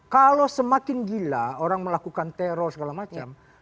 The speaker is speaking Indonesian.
kalau semakin gila orang melakukan teror segala macam